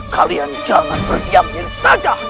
kalian jangan berdiamin saja